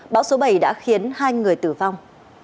bão số bảy đã khiến hai người tử vong